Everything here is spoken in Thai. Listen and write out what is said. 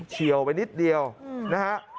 เฉียวไปนิดเดียวนะฮะ